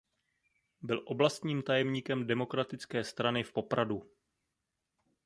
Byl oblastním tajemníkem Demokratické strany v Popradu.